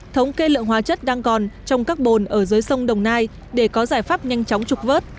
thống kê lượng hóa chất đang còn trong các bồn ở dưới sông đồng nai để có giải pháp nhanh chóng trục vớt